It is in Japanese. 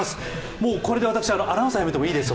もうこれで私、アナウンサー辞めてもいいです。